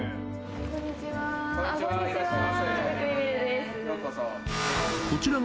こんにちは。